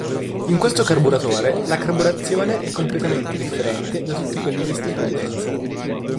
In questo carburatore la carburazione è completamente differente da tutti quelli visti in precedenza.